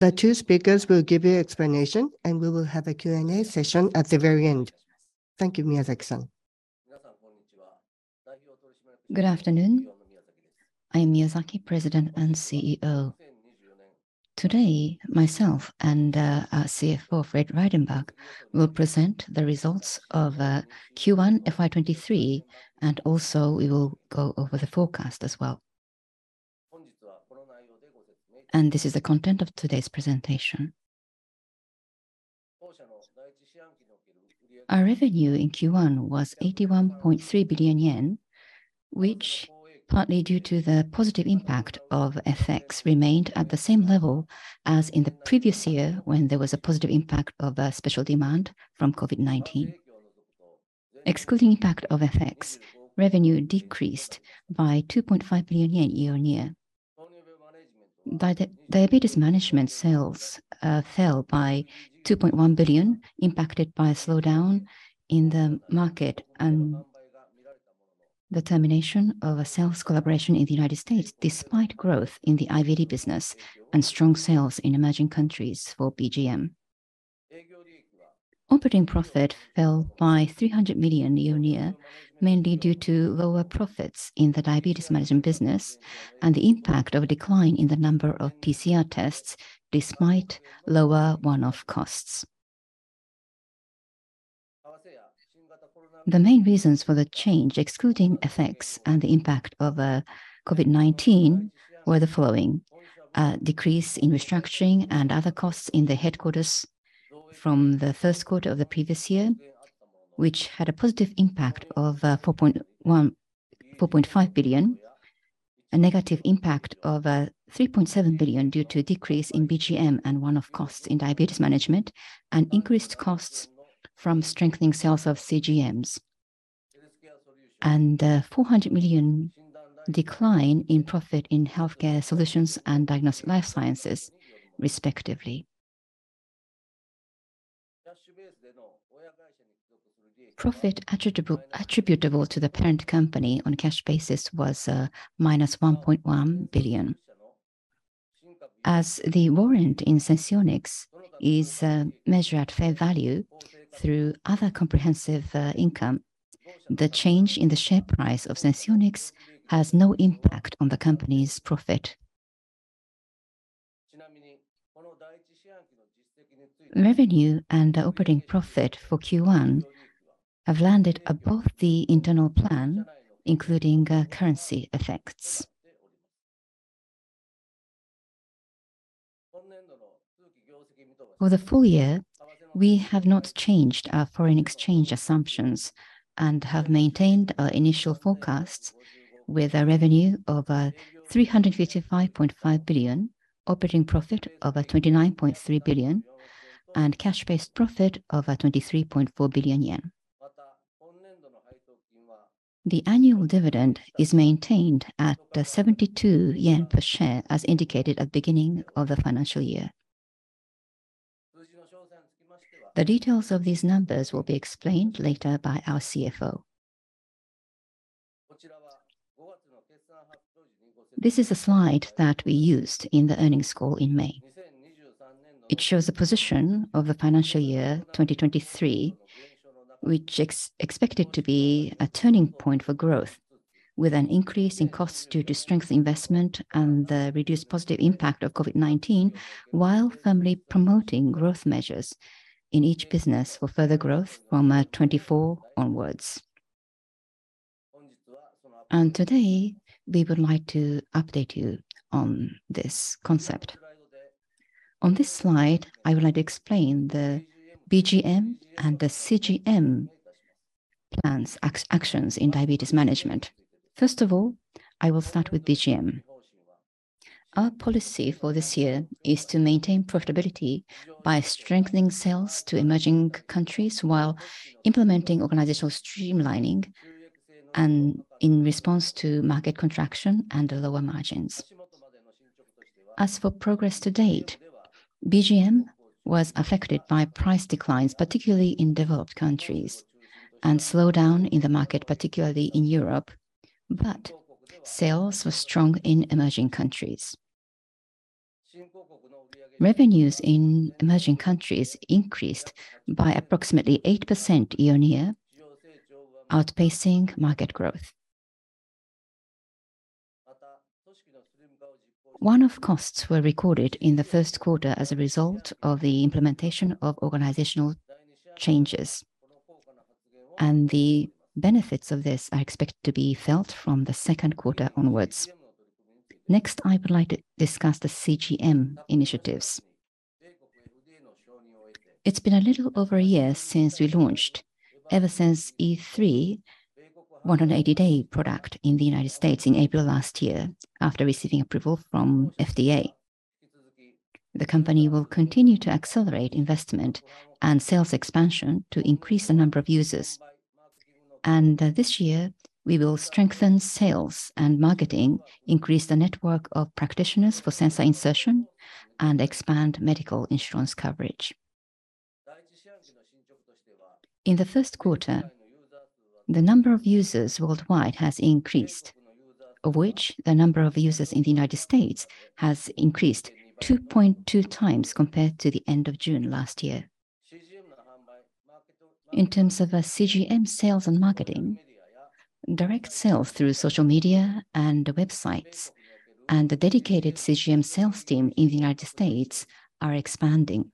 The two speakers will give you explanation, and we will have a Q&A session at the very end. Thank you, Miyazaki. Good afternoon, I am Miyazaki, President and CEO. Today, myself and our CFO, Fred Reidenbach, will present the results of Q1 FY23. Also, we will go over the forecast as well. This is the content of today's presentation. Our revenue in Q1 was 81.3 billion yen, which partly due to the positive impact of FX, remained at the same level as in the previous year when there was a positive impact of special demand from COVID-19. Excluding impact of FX, revenue decreased by 2.5 billion yen year-on-year. The Diabetes Management sales fell by 2.1 billion, impacted by a slowdown in the market and the termination of a sales collaboration in the United States, despite growth in the IVD business and strong sales in emerging countries for BGM. Operating profit fell by 300 million year-on-year, mainly due to lower profits in the Diabetes Management business and the impact of a decline in the number of PCR tests, despite lower one-off costs. The main reasons for the change, excluding FX and the impact of COVID-19, were the following: decrease in restructuring and other costs in the headquarters from the first quarter of the previous year, which had a positive impact of 4.5 billion, a negative impact of 3.7 billion due to a decrease in BGM and one-off costs in Diabetes Management, increased costs from strengthening sales of CGMs, 400 million decline in profit in Healthcare Solutions and Diagnostic Life Sciences, respectively. Profit attributable, attributable to the parent company on a cash basis was minus 1.1 billion. As the warrant in Senseonics is measured at fair value through other comprehensive income, the change in the share price of Senseonics has no impact on the company's profit. Revenue and operating profit for Q1 have landed above the internal plan, including currency effects. For the full year, we have not changed our foreign exchange assumptions and have maintained our initial forecasts with a revenue of 355.5 billion, operating profit of 29.3 billion, and cash-based profit of 23.4 billion yen. The annual dividend is maintained at the 72 yen per share, as indicated at beginning of the financial year. The details of these numbers will be explained later by our CFO. This is a slide that we used in the earnings call in May. It shows the position of the fiscal 2023, which expected to be a turning point for growth, with an increase in costs due to strength investment and the reduced positive impact of COVID-19, while firmly promoting growth measures in each business for further growth from 2024 onwards. Today, we would like to update you on this concept. On this slide, I would like to explain the BGM and the CGM plans actions in diabetes management. First of all, I will start with BGM. Our policy for this year is to maintain profitability by strengthening sales to emerging countries while implementing organizational streamlining and in response to market contraction and lower margins. As for progress to date, BGM was affected by price declines, particularly in developed countries, and slowdown in the market, particularly in Europe, but sales were strong in emerging countries. Revenues in emerging countries increased by approximately 8% year-on-year, outpacing market growth. One-off costs were recorded in the first quarter as a result of the implementation of organizational changes, and the benefits of this are expected to be felt from the second quarter onwards. Next, I would like to discuss the CGM initiatives. It's been a little over a year since we launched Eversense E3, a 180-day product in the United States in April last year, after receiving approval from FDA. The company will continue to accelerate investment and sales expansion to increase the number of users. This year, we will strengthen sales and marketing, increase the network of practitioners for sensor insertion, and expand medical insurance coverage. In the first quarter, the number of users worldwide has increased, of which the number of users in the United States has increased 2.2 times compared to the end of June last year. In terms of CGM sales and marketing, direct sales through social media and websites, and the dedicated CGM sales team in the United States are expanding,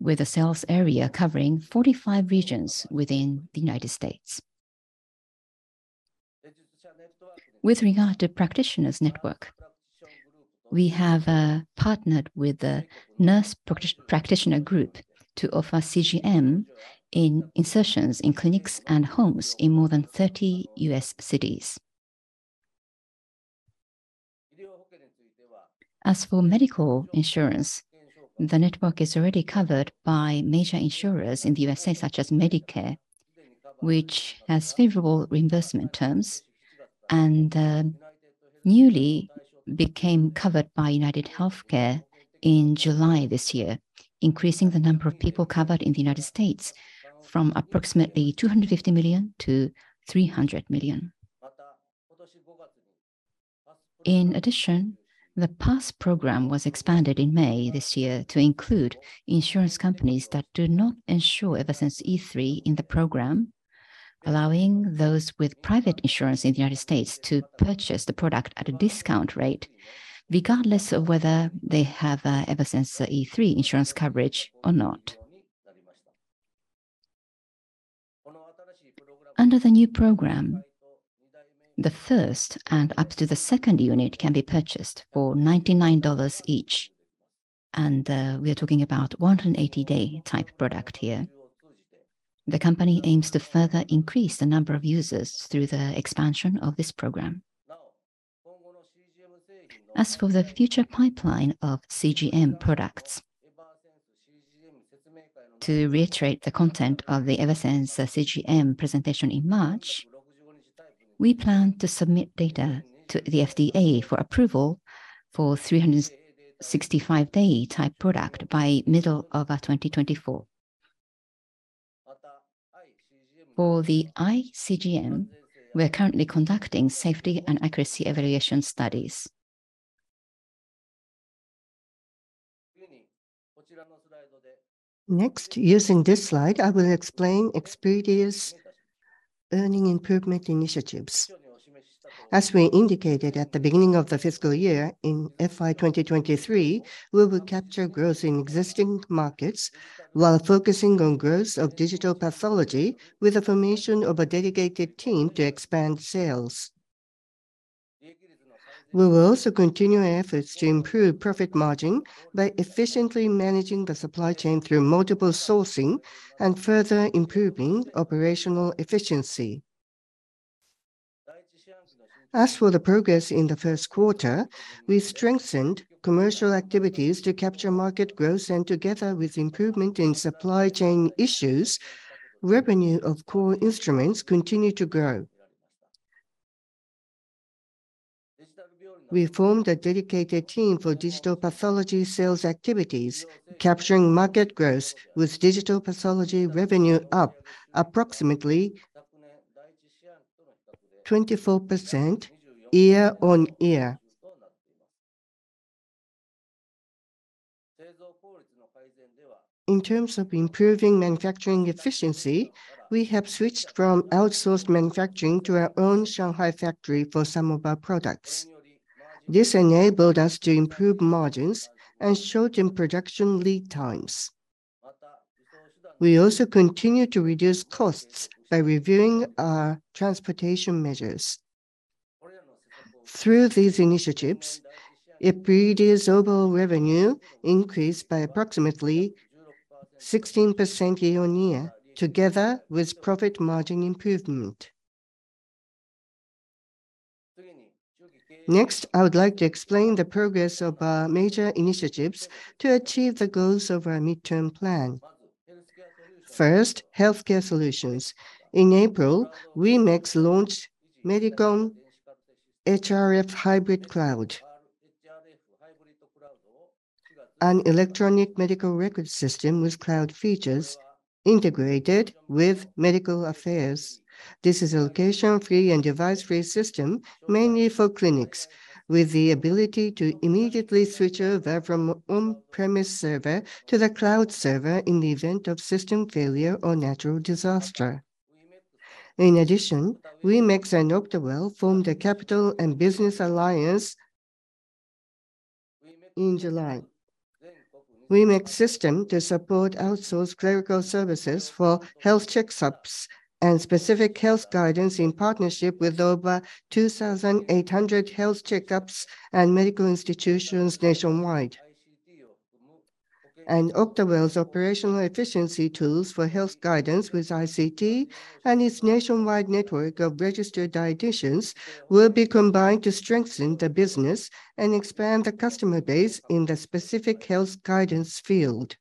with a sales area covering 45 regions within the United States. With regard to practitioners network, we have partnered with the nurse practitioner group to offer CGM insertions in clinics and homes in more than 30 U.S. cities. As for medical insurance, the network is already covered by major insurers in the USA, such as Medicare, which has favorable reimbursement terms and newly became covered by UnitedHealthcare in July this year, increasing the number of people covered in the United States from approximately $250 million to $300 million. In addition, the PASS program was expanded in May this year to include insurance companies that do not insure Eversense E3 in the program, allowing those with private insurance in the United States to purchase the product at a discount rate, regardless of whether they have Eversense E3 insurance coverage or not. Under the new program, the first and up to the second unit can be purchased for $99 each, and we are talking about 180-day type product here. The company aims to further increase the number of users through the expansion of this program. As for the future pipeline of Eversense CGM products, to reiterate the content of the Eversense CGM presentation in March, we plan to submit data to the FDA for approval for 365 day type product by middle of our 2024. For the iCGM, we are currently conducting safety and accuracy evaluation studies. Next, using this slide, I will explain Epredia's earning improvement initiatives. As we indicated at the beginning of the fiscal year, in FY 2023, we will capture growth in existing markets while focusing on growth of digital pathology, with the formation of a dedicated team to expand sales. We will also continue our efforts to improve profit margin by efficiently managing the supply chain through multiple sourcing and further improving operational efficiency. As for the progress in the first quarter, we strengthened commercial activities to capture market growth, and together with improvement in supply chain issues, revenue of core instruments continued to grow. We formed a dedicated team for digital pathology sales activities, capturing market growth with digital pathology revenue up approximately 24% year-over-year. In terms of improving manufacturing efficiency, we have switched from outsourced manufacturing to our own Shanghai factory for some of our products. This enabled us to improve margins and shorten production lead times. We also continued to reduce costs by reviewing our transportation measures. Through these initiatives, it produced overall revenue increase by approximately 16% year-over-year, together with profit margin improvement. Next, I would like to explain the progress of our major initiatives to achieve the goals of our midterm plan. First, Healthcare Solutions. In April, Wemex launched Medicom-HRf Hybrid Cloud, an electronic medical record system with cloud features integrated with medical affairs. This is a location-free and device-free system, mainly for clinics, with the ability to immediately switch over from on-premise server to the cloud server in the event of system failure or natural disaster. In addition, Wemex and Octawell formed a capital and business alliance in July. Wemex system to support outsourced clerical services for health checkups and specific health guidance in partnership with over 2,800 health checkups and medical institutions nationwide. Octawell's operational efficiency tools for health guidance with ICT and its nationwide network of registered dieticians will be combined to strengthen the business and expand the customer base in the specific health guidance field.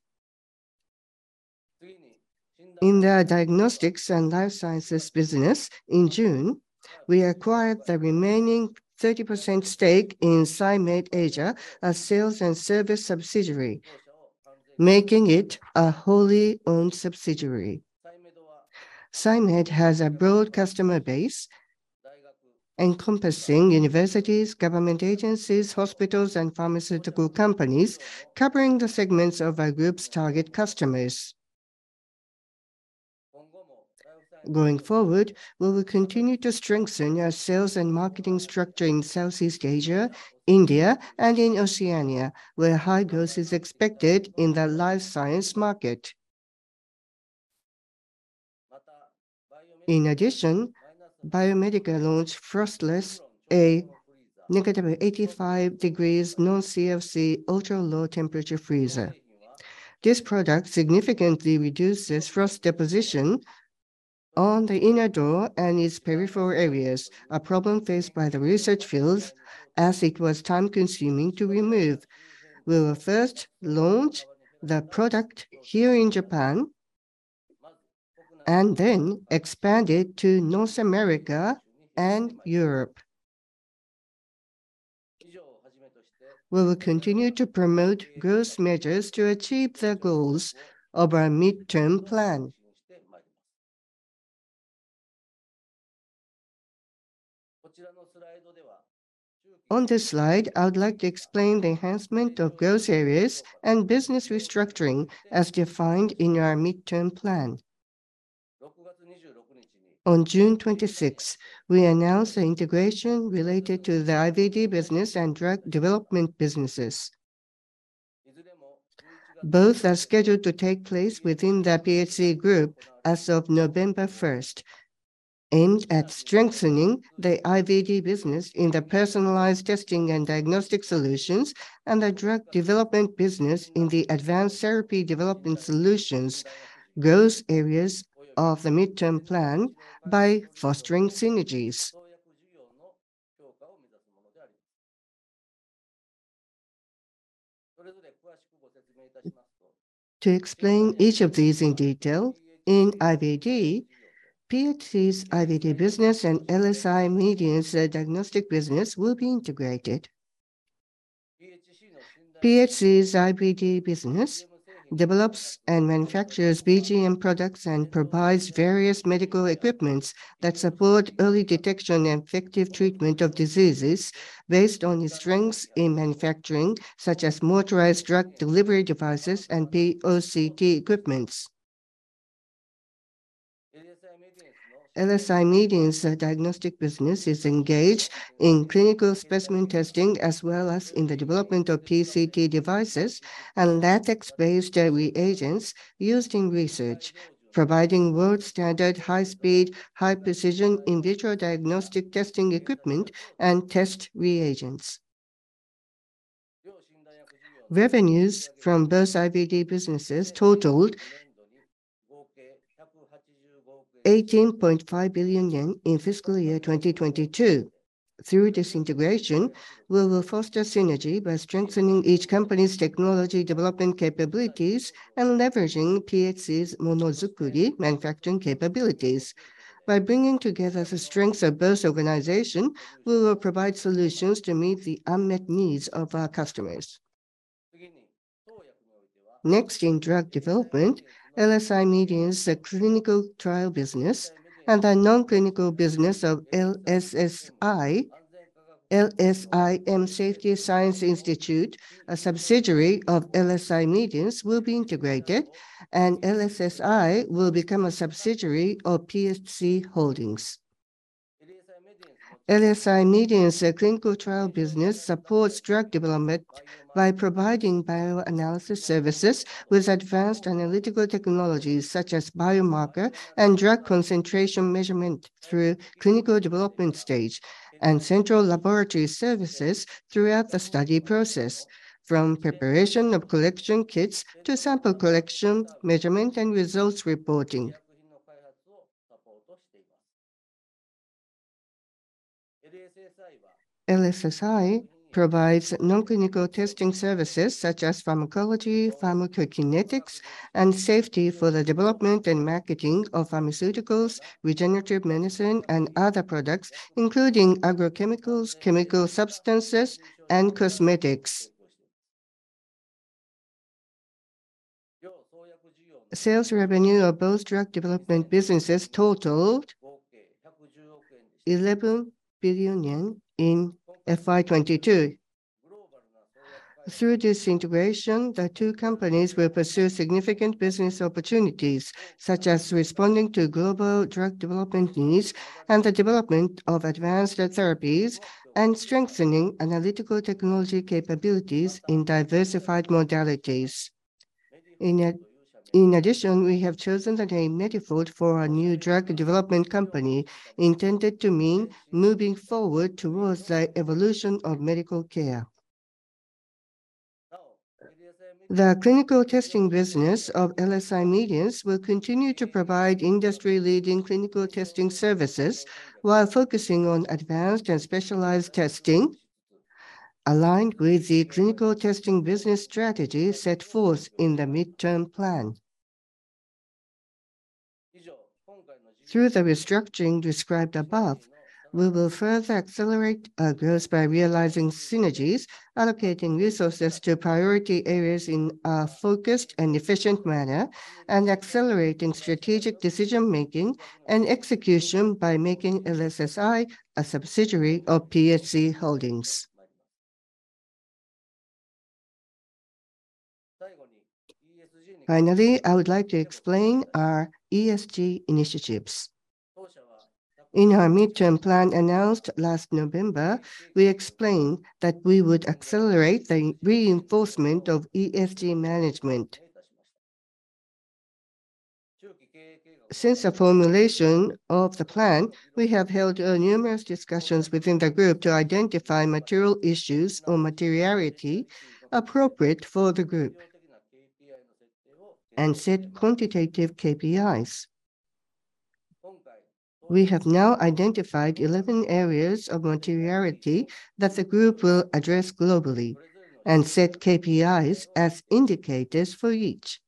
In the Diagnostics and Life Sciences business in June, we acquired the remaining 30% stake in SciMed Asia, a sales and service subsidiary, making it a wholly owned subsidiary. SciMed has a broad customer base, encompassing universities, government agencies, hospitals, and pharmaceutical companies, covering the segments of our group's target customers. Going forward, we will continue to strengthen our sales and marketing structure in Southeast Asia, India, and in Oceania, where high growth is expected in the life science market. PHCbi launched FrostLess, a negative 85 degrees non-CFC, ultra-low temperature freezer. This product significantly reduces frost deposition on the inner door and its peripheral areas, a problem faced by the research fields, as it was time-consuming to remove. We will first launch the product here in Japan, and then expand it to North America and Europe. We will continue to promote growth measures to achieve the goals of our midterm plan. On this slide, I would like to explain the enhancement of growth areas and business restructuring as defined in our midterm plan. On June 26th, we announced the integration related to the IVD business and drug development businesses. Both are scheduled to take place within the PHC Group as of November first, aimed at strengthening the IVD business in the personalized testing and diagnostic solutions, and the drug development business in the advanced therapy development solutions, growth areas of the midterm plan by fostering synergies. To explain each of these in detail, in IVD, PHC's IVD business and LSI Medience diagnostic business will be integrated. PHC's IVD business develops and manufactures BGM products and provides various medical equipments that support early detection and effective treatment of diseases based on its strengths in manufacturing, such as motorized drug delivery devices and POCT equipments. LSI Medience diagnostic business is engaged in clinical specimen testing, as well as in the development of PCT devices and latex-based reagents used in research, providing world-standard, high-speed, high-precision in vitro diagnostic testing equipment and test reagents. Revenues from both IVD businesses totaled 18.5 billion yen in fiscal year 2022. Through this integration, we will foster synergy by strengthening each company's technology development capabilities and leveraging PHC's Monozukuri manufacturing capabilities. By bringing together the strengths of both organization, we will provide solutions to meet the unmet needs of our customers. Next, in drug development, LSI Medience' clinical trial business and the non-clinical business of LSSI, LSIM Safety Science Institute, a subsidiary of LSI Medience, will be integrated, and LSSI will become a subsidiary of PHC Holdings. LSI Medience' clinical trial business supports drug development by providing bioanalysis services with advanced analytical technologies, such as biomarker and drug concentration measurement through clinical development stage, and central laboratory services throughout the study process, from preparation of collection kits to sample collection, measurement, and results reporting. LSIM provides non-clinical testing services such as pharmacology, pharmacokinetics, and safety for the development and marketing of pharmaceuticals, regenerative medicine, and other products, including agrochemicals, chemical substances, and cosmetics. Sales revenue of both drug development businesses totaled 11 billion yen in FY22. Through this integration, the two companies will pursue significant business opportunities, such as responding to global drug development needs and the development of advanced therapies, and strengthening analytical technology capabilities in diversified modalities. In addition, we have chosen the name Mediford for our new drug development company, intended to mean moving forward towards the evolution of medical care. The clinical testing business of LSI Medience will continue to provide industry-leading clinical testing services while focusing on advanced and specialized testing, aligned with the clinical testing business strategy set forth in the midterm plan. Through the restructuring described above, we will further accelerate our growth by realizing synergies, allocating resources to priority areas in a focused and efficient manner, and accelerating strategic decision-making and execution by making LSSI a subsidiary of PHC Holdings. Finally, I would like to explain our ESG initiatives. In our midterm plan announced last November, we explained that we would accelerate the reinforcement of ESG management. Since the formulation of the plan, we have held numerous discussions within the group to identify material issues or materiality appropriate for the group and set quantitative KPIs. We have now identified 11 areas of materiality that the group will address globally and set KPIs as indicators for each.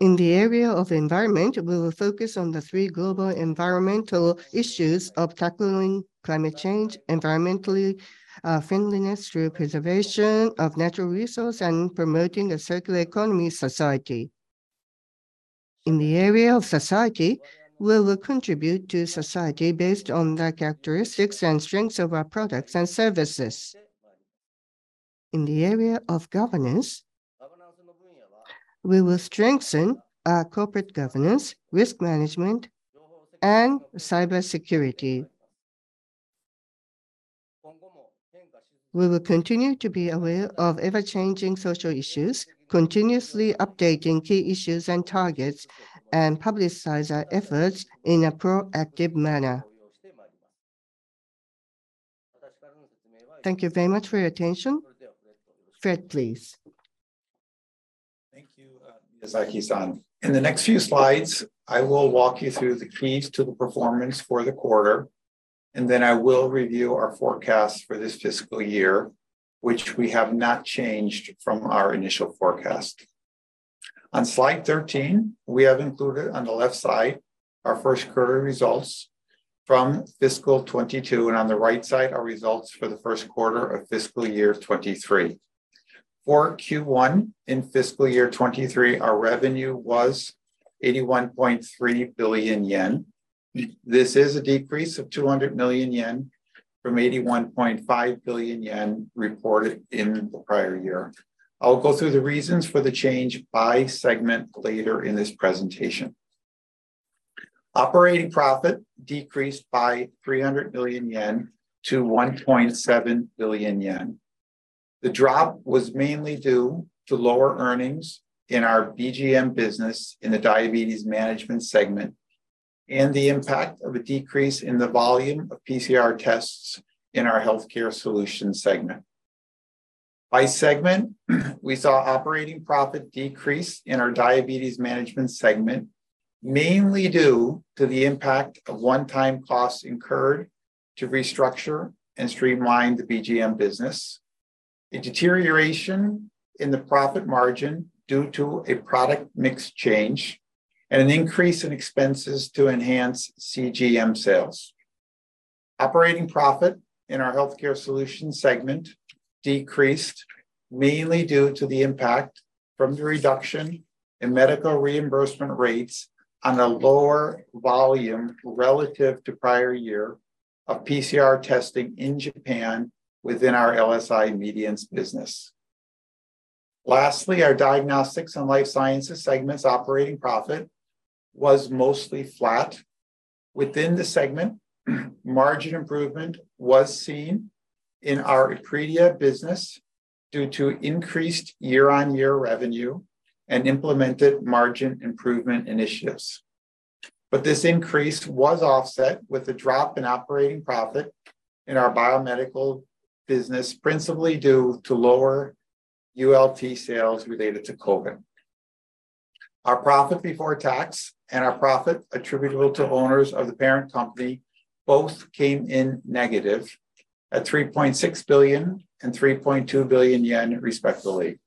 In the area of environment, we will focus on the three global environmental issues of tackling climate change, environmentally friendliness through preservation of natural resources, and promoting a circular economy society. In the area of society, we will contribute to society based on the characteristics and strengths of our products and services. In the area of governance, we will strengthen our corporate governance, risk management, and cybersecurity. We will continue to be aware of ever-changing social issues, continuously updating key issues and targets, and publicize our efforts in a proactive manner. Thank you very much for your attention. Fred, please. Thank you, Miyazaki-san. In the next few slides, I will walk you through the keys to the performance for the quarter, and then I will review our forecast for this fiscal year, which we have not changed from our initial forecast. On slide 13, we have included on the left side, our first quarter results from fiscal 2022, and on the right side, our results for the first quarter of fiscal year 2023. For Q1 FY23, our revenue was 81.3 billion yen. This is a decrease of 200 million yen from 81.5 billion yen reported in the prior year. I'll go through the reasons for the change by segment later in this presentation. Operating profit decreased by 300 million yen to 1.7 billion yen. The drop was mainly due to lower earnings in our BGM business, in the Diabetes Management segment, and the impact of a decrease in the volume of PCR tests in our Healthcare Solutions segment. By segment, we saw operating profit decrease in our Diabetes Management segment, mainly due to the impact of one-time costs incurred to restructure and streamline the BGM business, a deterioration in the profit margin due to a product mix change, and an increase in expenses to enhance CGM sales. Operating profit in our Healthcare Solutions segment decreased, mainly due to the impact from the reduction in medical reimbursement rates on a lower volume relative to prior year of PCR testing in Japan within our LSI Medience business. Lastly, our Diagnostics and Life Sciences segment's operating profit was mostly flat. Within the segment, margin improvement was seen in our Epredia business due to increased year-on-year revenue and implemented margin improvement initiatives. This increase was offset with a drop in operating profit in our biomedical business, principally due to lower ULT sales related to COVID. Our profit before tax and our profit attributable to owners of the parent company both came in negative, at 3.6 billion and 3.2 billion yen, respectively.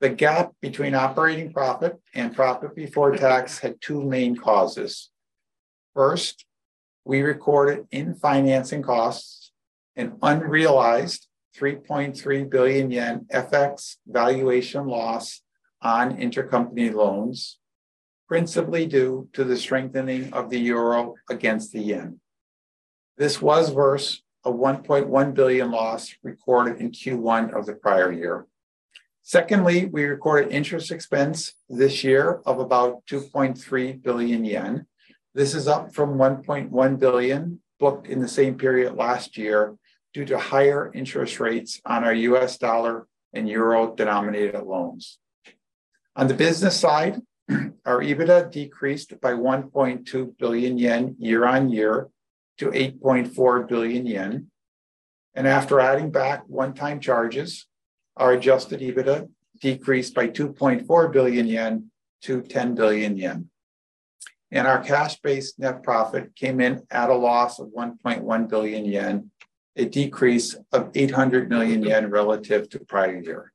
The gap between operating profit and profit before tax had two main causes. First, we recorded in financing costs an unrealized 3.3 billion yen FX valuation loss on intercompany loans, principally due to the strengthening of the euro against the yen. This was worse, a 1.1 billion loss recorded in Q1 of the prior year. Secondly, we recorded interest expense this year of about 2.3 billion yen. This is up from 1.1 billion booked in the same period last year, due to higher interest rates on our US dollar and euro-denominated loans. On the business side, our EBITDA decreased by 1.2 billion yen year-on-year to 8.4 billion yen. After adding back one-time charges, our adjusted EBITDA decreased by 2.4 billion yen to 10 billion yen. Our cash-based net profit came in at a loss of 1.1 billion yen, a decrease of 800 million yen relative to prior year.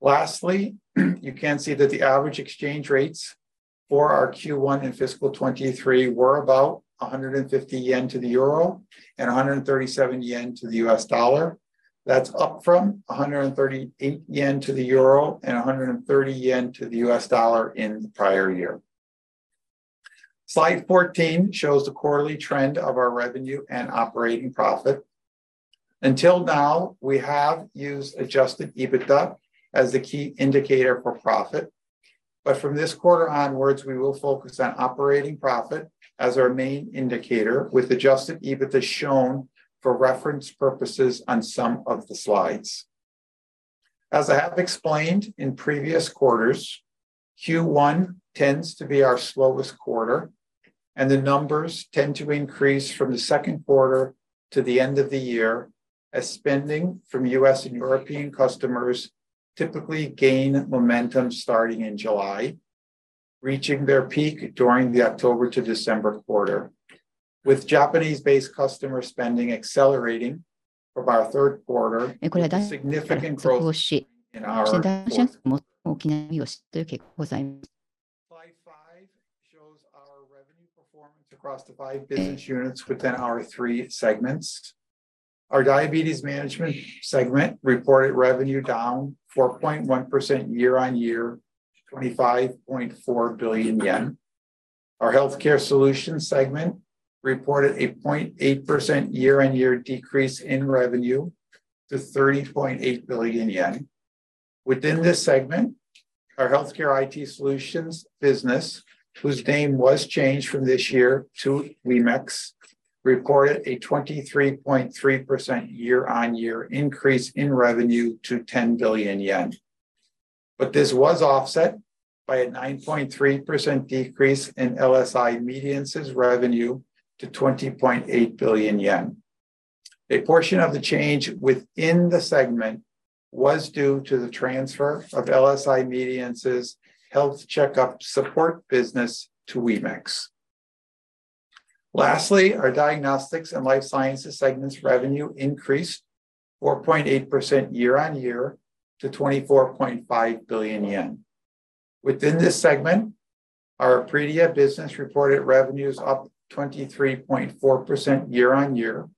Lastly, you can see that the average exchange rates for our Q1 FY23 were about 150 yen to the euro and 137 yen to the US dollar. That's up from 138 yen to the EUR and JPY 130 to the US dollar in the prior year. Slide 14 shows the quarterly trend of our revenue and operating profit. Until now, we have used adjusted EBITDA as the key indicator for profit, but from this quarter onwards, we will focus on operating profit as our main indicator, with adjusted EBITDA shown for reference purposes on some of the slides. As I have explained in previous quarters, Q1 tends to be our slowest quarter, and the numbers tend to increase from the second quarter to the end of the year, as spending from U.S. and European customers typically gain momentum starting in July, reaching their peak during the October to December quarter. With Japanese-based customer spending accelerating from our third quarter with significant growth in our- Slide five shows our revenue performance across the five business units within our three segments. Our Diabetes Management segment reported revenue down 4.1% year-on-year to JPY 25.4 billion. Our Healthcare Solutions segment reported a 0.8% year-on-year decrease in revenue to 30.8 billion yen. Within this segment, our Healthcare IT Solutions business, whose name was changed from this year to Wemex, reported a 23.3% year-on-year increase in revenue to 10 billion yen. This was offset by a 9.3% decrease in LSI Medience's revenue to 20.8 billion yen. A portion of the change within the segment was due to the transfer of LSI Medience's health checkup support business to Wemex. Lastly, our Diagnostics and Life Sciences segment's revenue increased 4.8% year-on-year to 24.5 billion yen. Within this segment, our Epredia business reported revenues up 23.4% year-on-year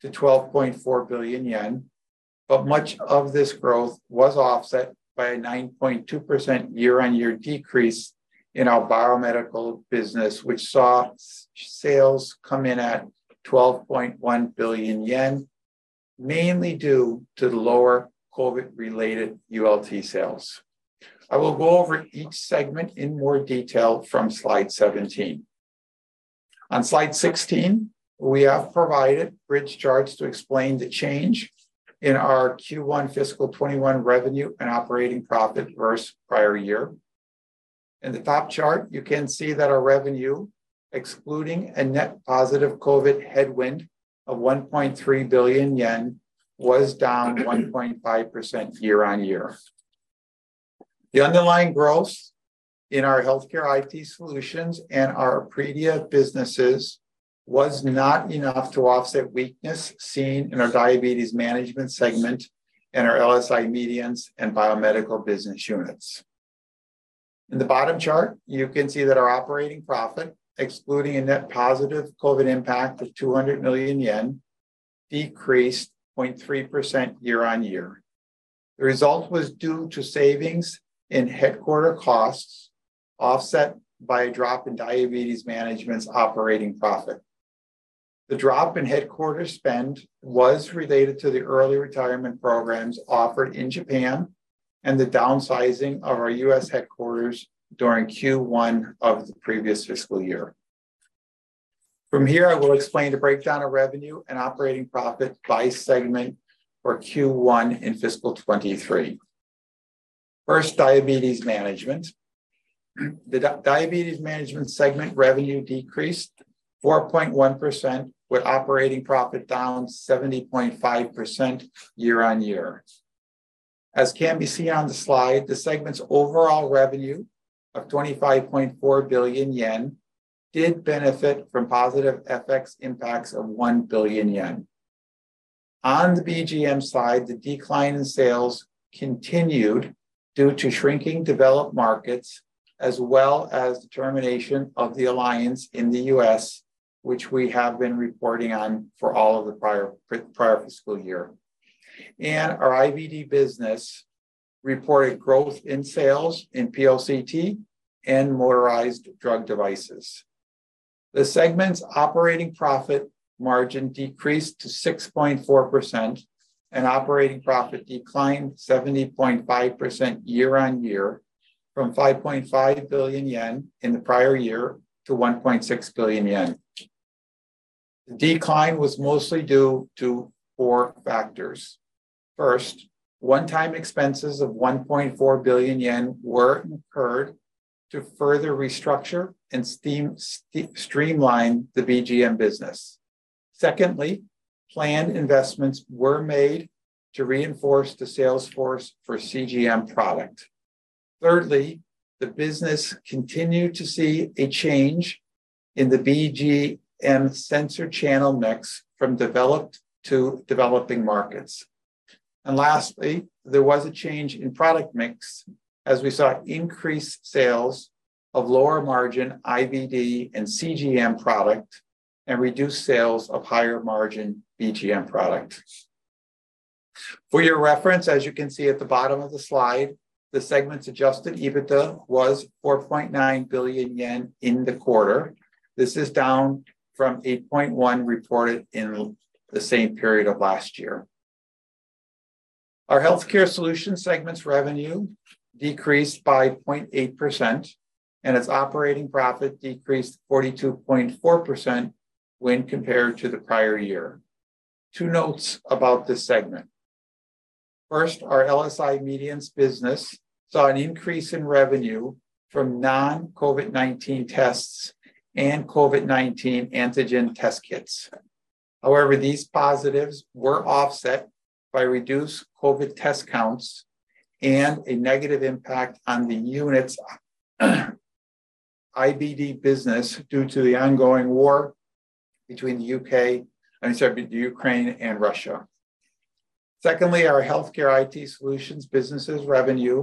to 12.4 billion yen. Much of this growth was offset by a 9.2% year-on-year decrease in our biomedical business, which saw sales come in at 12.1 billion yen, mainly due to the lower COVID-related ULT sales. I will go over each segment in more detail from slide 17. On slide 16, we have provided bridge charts to explain the change in our Q1 fiscal '21 revenue and operating profit versus prior year. In the top chart, you can see that our revenue, excluding a net positive COVID headwind of 1.3 billion yen, was down 1.5% year-on-year. The underlying growth in our Healthcare IT Solutions and our Epredia businesses was not enough to offset weakness seen in our Diabetes Management segment and our LSI Medience and biomedical business units. In the bottom chart, you can see that our operating profit, excluding a net positive COVID impact of 200 million yen, decreased 0.3% year on year. The result was due to savings in headquarter costs, offset by a drop in Diabetes Management's operating profit. The drop in headquarters spend was related to the early retirement programs offered in Japan and the downsizing of our U.S. headquarters during Q1 of the previous fiscal year. From here, I will explain the breakdown of revenue and operating profit by segment for Q1 in fiscal '23. First, Diabetes Management. The Diabetes Management segment revenue decreased 4.1%, with operating profit down 70.5% year-on-year. As can be seen on the slide, the segment's overall revenue of 25.4 billion yen did benefit from positive FX impacts of 1 billion yen. On the BGM side, the decline in sales continued due to shrinking developed markets, as well as the termination of the alliance in the U.S., which we have been reporting on for all of the prior fiscal year. And our IVD business reported growth in sales in PLCT and motorized drug devices. The segment's operating profit margin decreased to 6.4%, and operating profit declined 70.5% year-on-year from 5.5 billion yen in the prior year to 1.6 billion yen. The decline was mostly due to four factors. First, one-time expenses of 1.4 billion yen were incurred to further restructure and streamline the BGM business. Secondly, planned investments were made to reinforce the sales force for CGM product. Thirdly, the business continued to see a change in the BGM sensor channel mix from developed to developing markets. Lastly, there was a change in product mix as we saw increased sales of lower margin IVD and CGM product, and reduced sales of higher margin BGM product. For your reference, as you can see at the bottom of the slide, the segment's adjusted EBITDA was 4.9 billion yen in the quarter. This is down from 8.1 billion reported in the same period of last year. Our Healthcare Solutions segment's revenue decreased by 0.8%, and its operating profit decreased 42.4% when compared to the prior year. Two notes about this segment: first, our LSI Medience business saw an increase in revenue from non-COVID-19 tests and COVID-19 antigen test kits. However, these positives were offset by reduced COVID test counts and a negative impact on the unit's IBD business due to the ongoing war between Ukraine and Russia. Secondly, our Healthcare IT Solutions business' revenue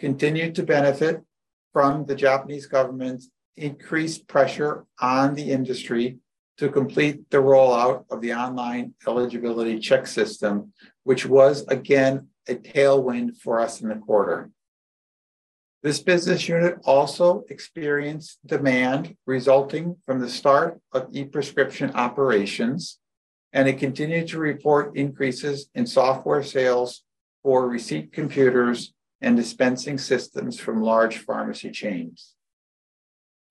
continued to benefit from the Japanese government's increased pressure on the industry to complete the rollout of the Online Eligibility Check System, which was, again, a tailwind for us in the quarter. This business unit also experienced demand resulting from the start of e-prescription operations, and it continued to report increases in software sales for receipt computers and dispensing systems from large pharmacy chains.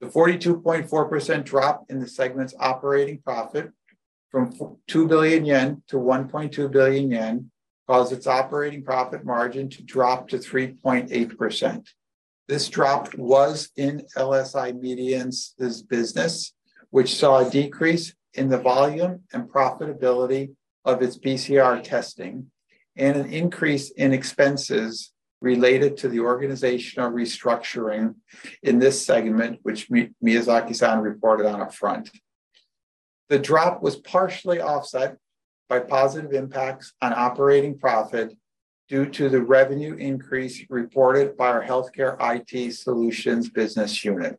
The 42.4% drop in the segment's operating profit from 2 billion-1.2 billion yen caused its operating profit margin to drop to 3.8%. This drop was in LSI Medience's business, which saw a decrease in the volume and profitability of its PCR testing, and an increase in expenses related to the organizational restructuring in this segment, which Miyazaki reported on upfront. The drop was partially offset by positive impacts on operating profit due to the revenue increase reported by our Healthcare IT Solutions business unit.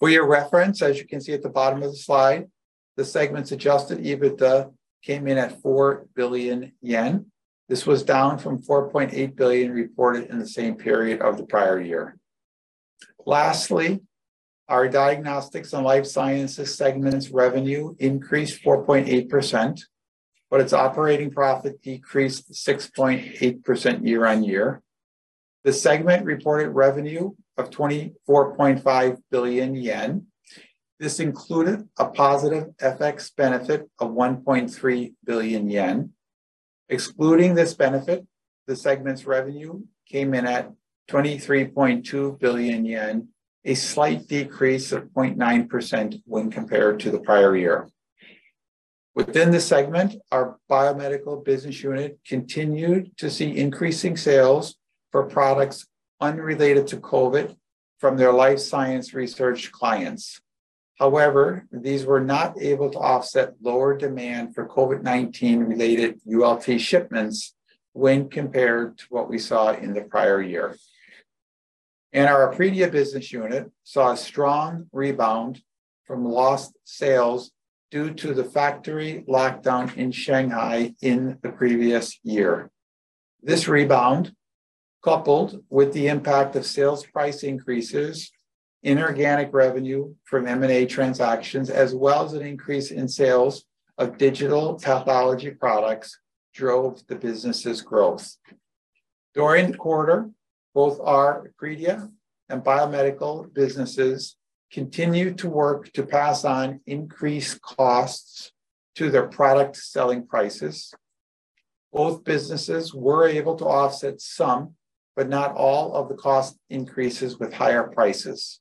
For your reference, as you can see at the bottom of the slide, the segment's adjusted EBITDA came in at 4 billion yen. This was down from 4.8 billion reported in the same period of the prior year. Lastly, our Diagnostics and Life Sciences segment's revenue increased 4.8%, but its operating profit decreased 6.8% year-on-year. The segment reported revenue of 24.5 billion yen. This included a positive FX benefit of 1.3 billion yen. Excluding this benefit, the segment's revenue came in at 23.2 billion yen, a slight decrease of 0.9% when compared to the prior year. Within the segment, our biomedical business unit continued to see increasing sales for products unrelated to COVID-19 from their life science research clients. However, these were not able to offset lower demand for COVID-19 related ULT shipments when compared to what we saw in the prior year. Our Epredia business unit saw a strong rebound from lost sales due to the factory lockdown in Shanghai in the previous year. This rebound, coupled with the impact of sales price increases, inorganic revenue from M&A transactions, as well as an increase in sales of digital pathology products, drove the business's growth. During the quarter, both our Epredia and biomedical businesses continued to work to pass on increased costs to their product selling prices. Both businesses were able to offset some, but not all, of the cost increases with higher prices.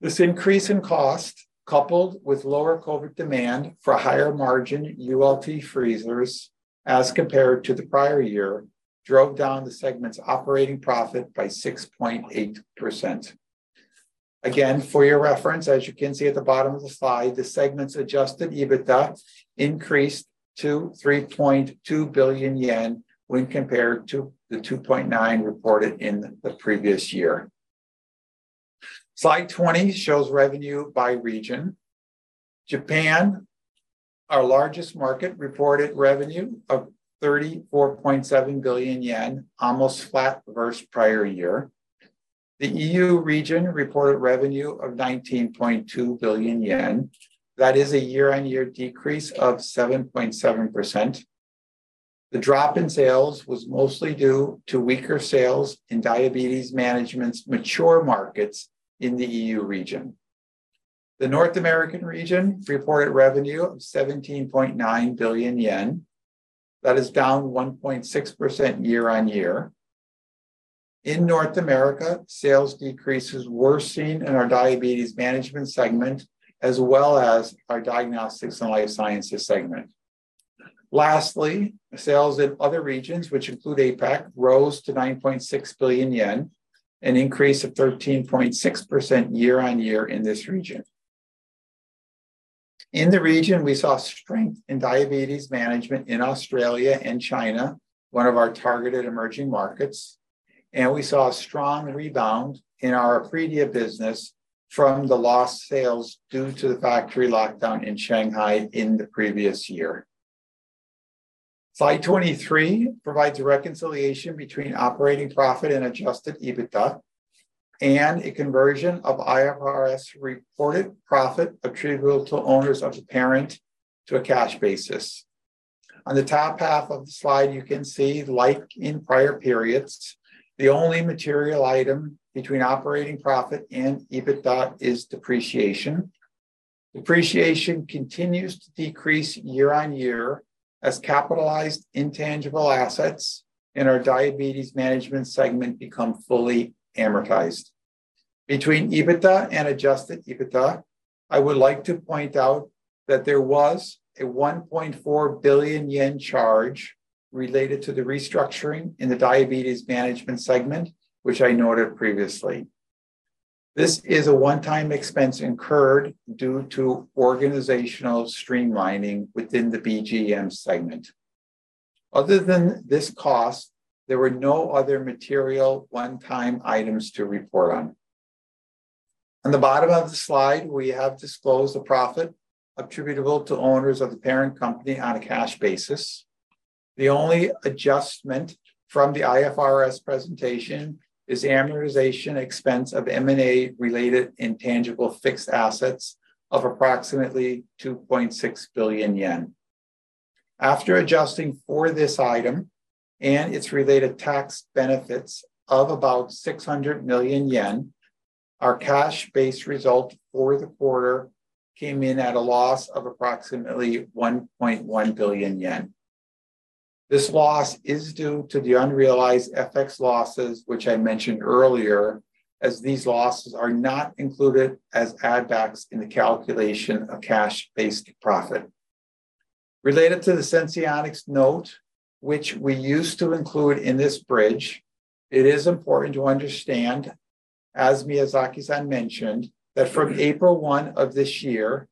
This increase in cost, coupled with lower COVID-19 demand for higher margin ULT freezers as compared to the prior year, drove down the segment's operating profit by 6.8%. Again, for your reference, as you can see at the bottom of the slide, the segment's adjusted EBITDA increased to 3.2 billion yen when compared to the 2.9 billion reported in the previous year. Slide 20 shows revenue by region. Japan, our largest market, reported revenue of 34.7 billion yen, almost flat versus prior year. The EU region reported revenue of 19.2 billion yen. That is a year-on-year decrease of 7.7%. The drop in sales was mostly due to weaker sales in Diabetes Management's mature markets in the EU region. The North American region reported revenue of 17.9 billion yen. That is down 1.6% year-on-year. In North America, sales decreases were seen in our Diabetes Management segment, as well as our Diagnostics and Life Sciences segment. Lastly, sales in other regions, which include APAC, rose to 9.6 billion yen, an increase of 13.6% year-on-year in this region. In the region, we saw strength in Diabetes Management in Australia and China, one of our targeted emerging markets, and we saw a strong rebound in our Apria business from the lost sales due to the factory lockdown in Shanghai in the previous year. Slide 23 provides a reconciliation between operating profit and adjusted EBITDA and a conversion of IFRS-reported profit attributable to owners of the parent to a cash basis. On the top half of the slide, you can see, like in prior periods, the only material item between operating profit and EBITDA is depreciation. Depreciation continues to decrease year-on-year as capitalized intangible assets in our Diabetes Management segment become fully amortized. Between EBITDA and adjusted EBITDA, I would like to point out that there was a 1.4 billion yen charge related to the restructuring in the Diabetes Management segment, which I noted previously. This is a one-time expense incurred due to organizational streamlining within the BGM segment. Other than this cost, there were no other material one-time items to report on. On the bottom of the slide, we have disclosed the profit attributable to owners of the parent company on a cash basis. The only adjustment from the IFRS presentation is the amortization expense of M&A-related intangible fixed assets of approximately 2.6 billion yen. After adjusting for this item and its related tax benefits of about 600 million yen, our cash-based result for the quarter came in at a loss of approximately 1.1 billion yen. This loss is due to the unrealized FX losses, which I mentioned earlier, as these losses are not included as add-backs in the calculation of cash-based profit. Related to the Senseonics note, which we used to include in this bridge, it is important to understand, as Miyazaki-san mentioned, that from April 1 of this year,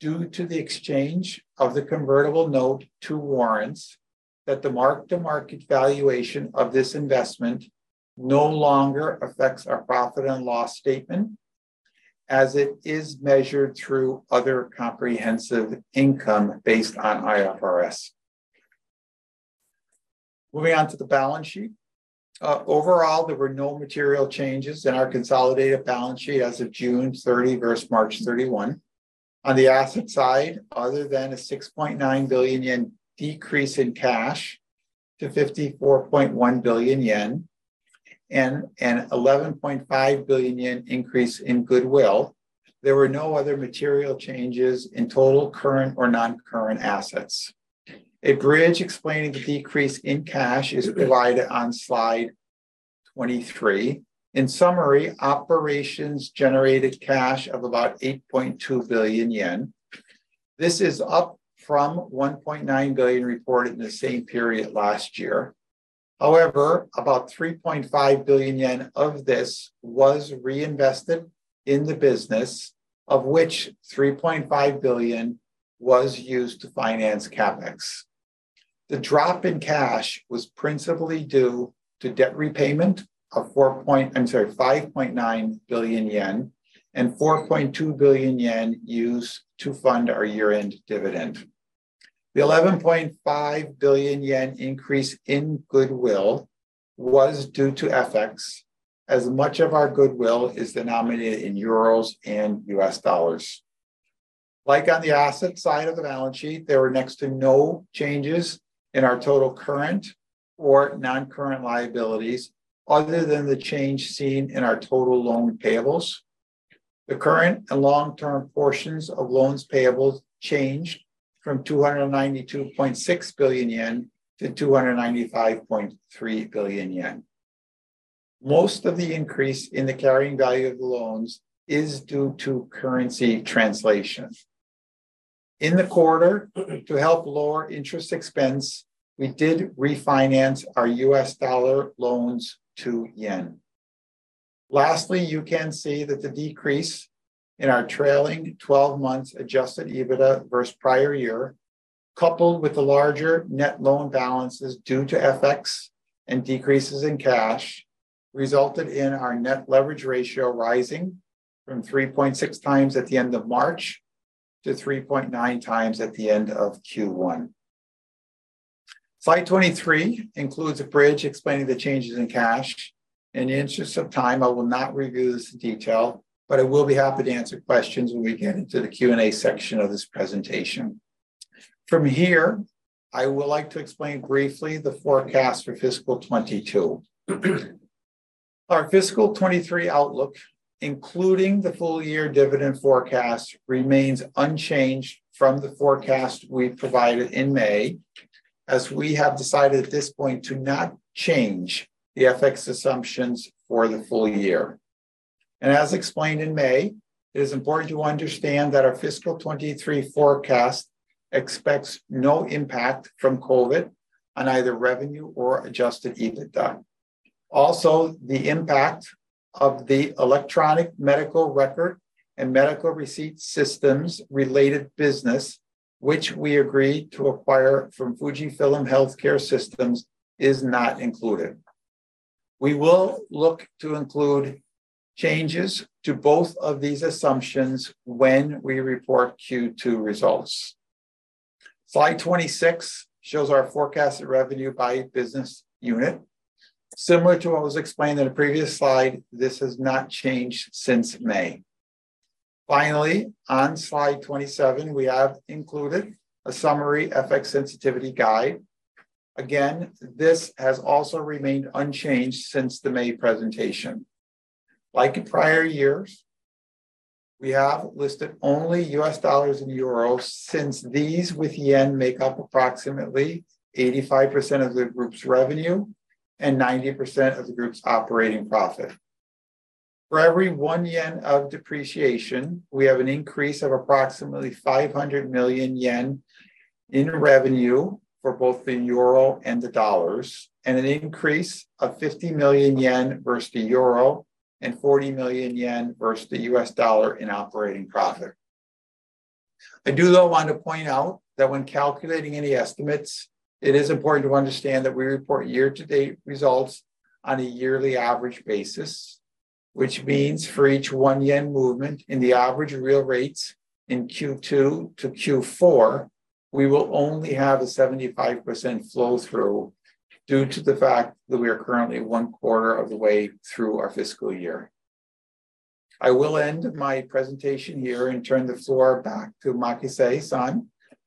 due to the exchange of the convertible note to warrants, that the mark-to-market valuation of this investment no longer affects our profit and loss statement, as it is measured through other comprehensive income based on IFRS. Overall, there were no material changes in our consolidated balance sheet as of June 30 versus March 31. On the asset side, other than a 6.9 billion yen decrease in cash to 54.1 billion yen and a 11.5 billion yen increase in goodwill, there were no other material changes in total current or non-current assets. A bridge explaining the decrease in cash is provided on slide 23. In summary, operations generated cash of about 8.2 billion yen. This is up from 1.9 billion reported in the same period last year. About 3.5 billion yen of this was reinvested in the business, of which 3.5 billion was used to finance CapEx. The drop in cash was principally due to debt repayment of, I'm sorry, 5.9 billion yen and 4.2 billion yen used to fund our year-end dividend. The 11.5 billion yen increase in goodwill was due to FX, as much of our goodwill is denominated in euros and U.S. dollars. Like on the asset side of the balance sheet, there were next to no changes in our total current or non-current liabilities other than the change seen in our total loan payables. The current and long-term portions of loans payables changed from 292.6 billion yen to 295.3 billion yen. Most of the increase in the carrying value of the loans is due to currency translation. In the quarter, to help lower interest expense, we did refinance our US dollar loans to yen. Lastly, you can see that the decrease in our trailing twelve months adjusted EBITDA versus prior year, coupled with the larger net loan balances due to FX and decreases in cash, resulted in our net leverage ratio rising from 3.6x at the end of March to 3.9x at the end of Q1. Slide 23 includes a bridge explaining the changes in cash. In the interest of time, I will not review this in detail, but I will be happy to answer questions when we get into the Q&A section of this presentation. From here, I would like to explain briefly the forecast for fiscal 2022. Our fiscal '23 outlook, including the full year dividend forecast, remains unchanged from the forecast we provided in May, as we have decided at this point to not change the FX assumptions for the full year. As explained in May, it is important to understand that our fiscal 2023 forecast expects no impact from COVID on either revenue or adjusted EBITDA. Also, the impact of the electronic medical record and medical receipt systems related business, which we agreed to acquire from FUJIFILM Healthcare Systems, is not included. We will look to include changes to both of these assumptions when we report Q2 results. Slide 26 shows our forecasted revenue by business unit. Similar to what was explained in a previous slide, this has not changed since May. Finally, on slide 27, we have included a summary FX sensitivity guide. Again, this has also remained unchanged since the May presentation. Like in prior years, we have listed only U.S. dollars and euros, since these with yen make up approximately 85% of the group's revenue and 90% of the group's operating profit. For every 1 yen of depreciation, we have an increase of approximately 500 million yen in revenue for both the euro and the dollars, and an increase of 50 million yen versus the euro and 40 million yen versus the U.S. dollar in operating profit. I do, though, want to point out that when calculating any estimates, it is important to understand that we report year-to-date results on a yearly average basis, which means for each 1 yen movement in the average real rates in Q2-Q4, we will only have a 75% flow-through due to the fact that we are currently one quarter of the way through our fiscal year. I will end my presentation here and turn the floor back to Machiue-san,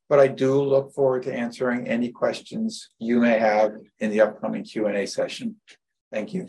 but I do look forward to answering any questions you may have in the upcoming Q&A session. Thank you.